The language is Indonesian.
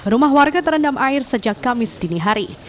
rumah warga terendam air sejak kamis dini hari